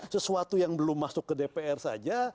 sesuatu yang belum masuk ke dpr saja